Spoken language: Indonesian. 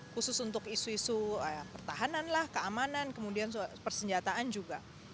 khusus untuk isu isu pertahanan lah keamanan kemudian persenjataan juga